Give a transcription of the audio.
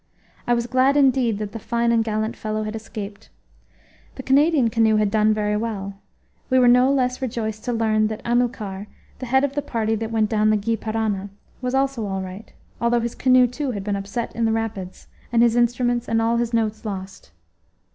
I was glad indeed that the fine and gallant fellow had escaped. The Canadian canoe had done very well. We were no less rejoiced to learn that Amilcar, the head of the party that went down the Gy Parana, was also all right, although his canoe too had been upset in the rapids, and his instruments and all his notes lost.